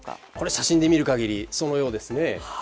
写真で見る限りそのようですね。